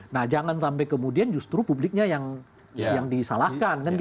nah jangan sampai kemudian justru publiknya yang disalahkan